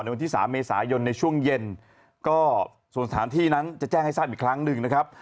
วันที่๓เมษายนในช่วงเย็นก็ส่วนสถานที่นั้นจะแจ้งให้ทราบอีกครั้งหนึ่งนะครับ